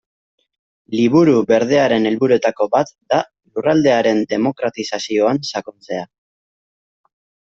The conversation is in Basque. Liburu Berdearen helburuetako bat da lurraldearen demokratizazioan sakontzea.